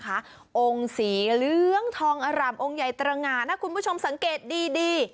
องค์สีเหลืองทองอร่ำองค์ใหญ่ตรงานะคุณผู้ชมสังเกตดี